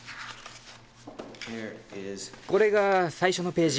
これが最初のページ。